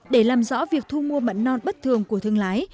để làm rõ việc thu mua mận non bất thường của thương lái